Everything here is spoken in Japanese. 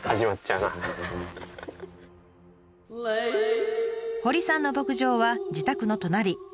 堀さんの牧場は自宅の隣。